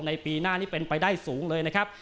ปีหน้านี้เป็นไปได้สูงเลยนะครับ